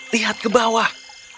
lihat ke bawah